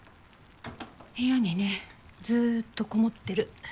部屋にねずっとこもってる。